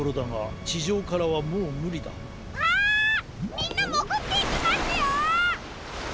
みんなもぐっていきますよ！